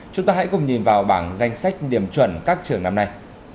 chúng ta hãy cùng nhìn vào bảng danh sách điểm chuẩn các trường năm nay